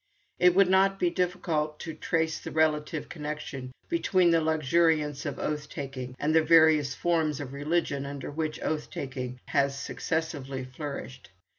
It would not be difficult to trace the relative connection between the luxuriance of oath taking and the various forms of religion under which oath taking has successively flourished.